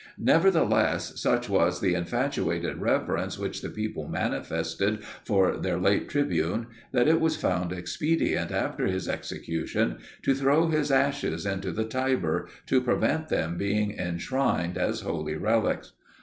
Nevertheless, such was the infatuated reverence which the people manifested for their late tribune, that it was found expedient after his execution to throw his ashes into the Tiber, to prevent them being enshrined as holy relics.